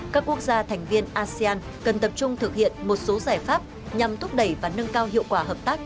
các quốc gia thành viên asean cần tập trung thực hiện một số giải pháp nhằm thúc đẩy và nâng cao hiệu quả hợp tác